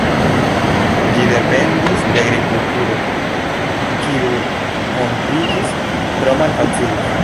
Ĝi dependis de agrikulturo, kiu montriĝis tro malfacila.